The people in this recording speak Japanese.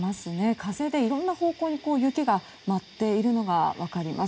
風で、いろんな方向に雪が舞っているのが分かります。